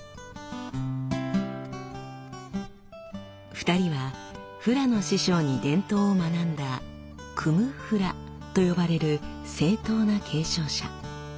２人はフラの師匠に伝統を学んだ「クム・フラ」と呼ばれる正統な継承者。